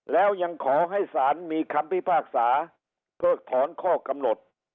แล้วยังขอให้สารมีคำพิพากษาเพิกถอนข้อกำหนด